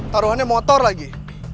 taruhannya motor lagi